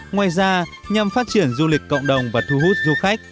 ngoài ra nhằm phát triển du lịch cộng đồng và thu hút du khách